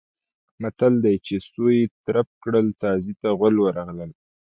متل دی: چې سویې ترپ کړل تازي ته غول ورغلل.